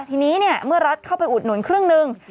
ทีนี้เมื่อรัฐเข้าไปอุดหนุนครึ่งหนึ่ง